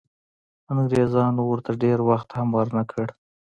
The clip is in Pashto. انګریزانو ورته ډېر وخت هم ورنه کړ.